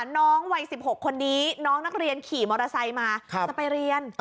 น้องวัย๑๖คนนี้น้องนักเรียนขี่มอเตอร์ไซค์มาจะไปเรียน